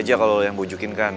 makasih buat apa